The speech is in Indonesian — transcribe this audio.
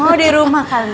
oh di rumah kali ya